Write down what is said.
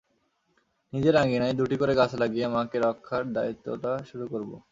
নিজের আঙিনায় দুটি করে গাছ লাগিয়ে মাকে রক্ষার দায়িত্বটা শুরু করব।